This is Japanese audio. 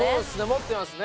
持ってますね。